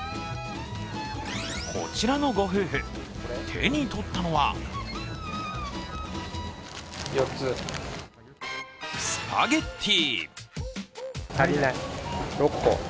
こちらのご夫婦、手に取ったのはスパゲッティ！